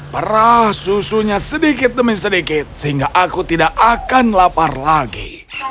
perah susunya sedikit demi sedikit sehingga aku tidak akan lapar lagi